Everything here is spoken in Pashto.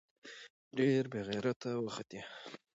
ډېر بې غېرته وختې.